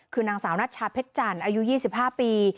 คือนางสาวนัตรชาเพชรจันทร์อายุยี่สิบห้าปี